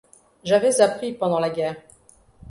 J’avais appris pendant la guerre.